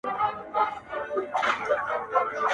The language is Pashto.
خو تېروتنې بيا تکراريږي ډېر,